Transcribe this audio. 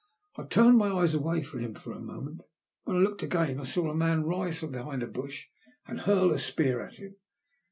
I turned my eyes away from him for a moment. When I looked again I saw a man rise from behind a bush and hurl a spear at him.